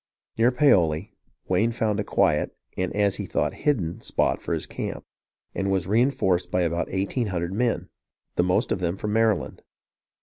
Near Paoli, Wayne found a quiet, and as he thought hidden, spot for his camp, and was reenforced by about eighteen hundred men, the most of them from Maryland.